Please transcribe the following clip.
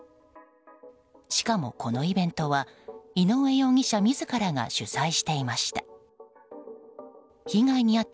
しかも、このイベントは井上容疑者自らが主催していました。